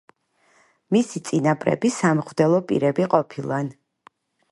მისი წინაპრები სამღვდელო პირები ყოფილან.